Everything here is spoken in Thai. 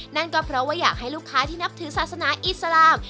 นั่นก็เพราะว่าอยากให้ลูกค้าที่นับถือศาสนาอิสลาม